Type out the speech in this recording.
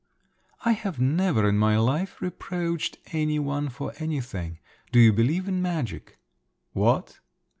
"I have never in my life reproached any one for anything. Do you believe in magic?" "What?"